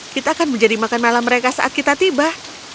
kita akan menjadi makan malam mereka saat kita tiba